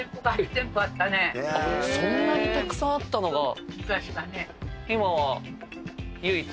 そんなにたくさんあったのが今は。